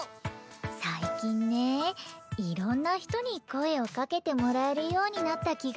最近ねいろんな人に声をかけてもらえるようになった気がするよ。